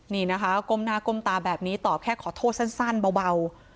นี่นะคะก้มหน้าก้มตาแบบนี้ตอบแค่ขอโทษสั้นเบา